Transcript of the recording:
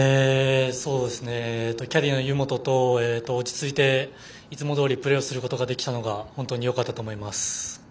キャディーと落ち着いて、いつもどおりプレーすることができたのがよかったと思います。